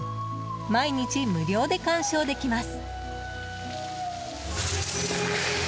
毎日無料で鑑賞できます。